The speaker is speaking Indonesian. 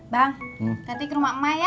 bang nanti ke rumah emak ya